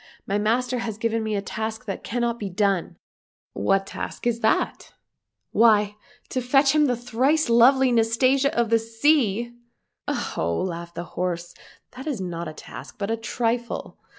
" My master has given me a task that cannot be done."—" What task is that ?"—" Why, to fetch him the thrice lovely Nastasia of the sea !"—" Oh ho !" laughed the horse, " that is not a task, but a trifle.